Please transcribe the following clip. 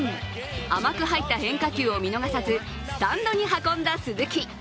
甘く入った変化球を見逃さずスタンドに運んだ鈴木。